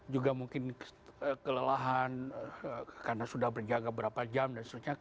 juga mungkin kelelahan karena sudah berjaga berapa jam dan seterusnya